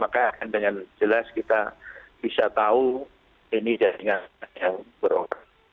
maka dengan jelas kita bisa tahu ini jahatannya yang beropera